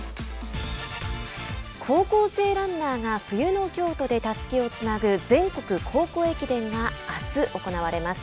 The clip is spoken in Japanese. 高校生ランナーが冬の京都でたすきをつなぐ全国高校駅伝があす行われます。